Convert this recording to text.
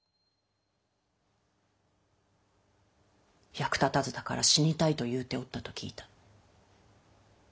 役立たずだから死にたいと言うておったと聞いた。